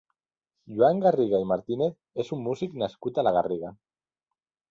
Joan Garriga i Martínez és un músic nascut a la Garriga.